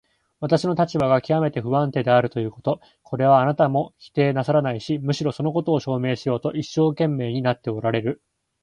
私の立場がきわめて不安定であるということ、これはあなたも否定なさらないし、むしろそのことを証明しようと一生懸命になっておられる。